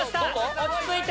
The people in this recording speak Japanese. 落ち着いて！